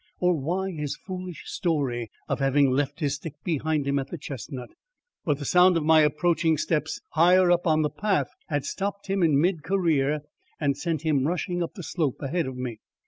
Or why his foolish story of having left his stick behind him at the chestnut? But the sound of my approaching steps higher up on the path had stopped him in mid career and sent him rushing up the slope ahead of me.